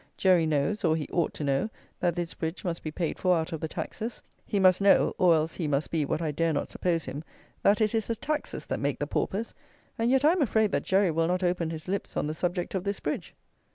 Jerry knows, or he ought to know, that this bridge must be paid for out of the taxes. He must know, or else he must be what I dare not suppose him, that it is the taxes that make the paupers; and yet I am afraid that Jerry will not open his lips on the subject of this bridge.